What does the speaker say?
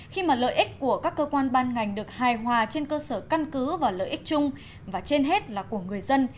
khi mà lợi ích của các cơ quan ban ngành được hài hòa trên cơ sở căn cứ và lợi ích chung và trên hết là của người dân